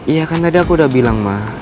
iya kan tadi aku udah bilang mah